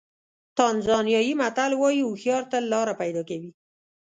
تانزانیایي متل وایي هوښیار تل لاره پیدا کوي.